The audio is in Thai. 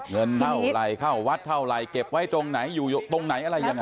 เงินเท่าไหร่เข้าวัดเท่าไหร่เก็บไว้ตรงไหนอยู่ตรงไหนอะไรยังไง